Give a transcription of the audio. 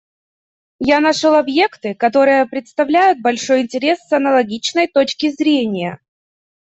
Я нашел объекты, которые представляют большой интерес с аналогичной точки зрения.